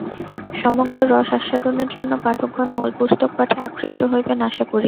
সমগ্র রস আস্বাদনের জন্য পাঠকগণ মূল পুস্তক-পাঠে আকৃষ্ট হইবেন, আশা করি।